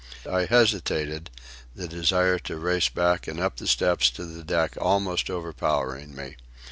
I hesitated, the desire to race back and up the steps to the deck almost overpowering me.